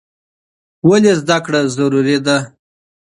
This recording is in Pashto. ولې زده کړه اړینه ده؟